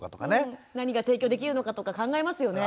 何が提供できるのかとか考えますよね。